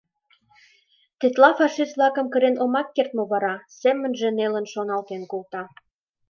«Тетла фашист-влакым кырен омак керт мо вара?» — семынже нелын шоналтен колта.